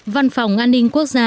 văn phòng an ninh quốc gia